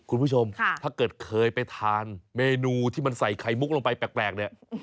คุณผู้ชมถ้าเกิดเคยไปทานเมนูที่มันใส่ไข่มุกลงไปแปลกเนี่ย